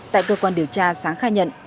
tại cơ quan điều tra sáng khai nhận